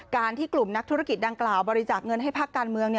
ที่กลุ่มนักธุรกิจดังกล่าวบริจาคเงินให้ภาคการเมือง